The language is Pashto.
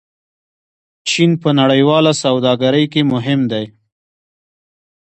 چین په نړیواله سوداګرۍ کې مهم دی.